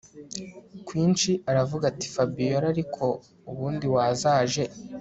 kwinshi aravuga ati Fabiora ariko ubundi wazaje